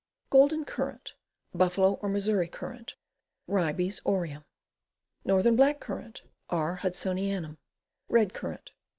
Golden Currant. Buffalo or Missouri C. Ribes aureum. Northern Black Currant. R. Hudsonianum. Red Currant.